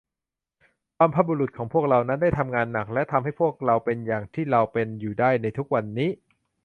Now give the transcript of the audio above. บรรพบุรุษของพวกเรานั้น ได้ทำงานหนัก และ ทำให้พวกเราเป็นอย่างที่เราเป็นอยู่ได้ในทุกวันนี้